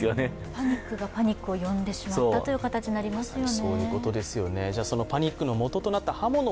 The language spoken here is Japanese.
パニックがパニックを呼んでしまったという形になりますよね。